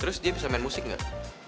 terus dia bisa main musik nggak